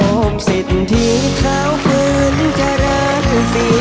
โอ้มสิทธิ์ที่เท้าขึ้นจรังสี